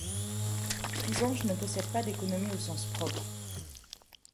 Frisange ne possède pas d'économie au sens propre.